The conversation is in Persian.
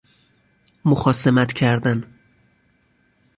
مخاصمت کردن